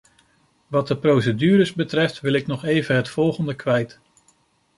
Wat de procedures betreft, wil ik nog even het volgende kwijt.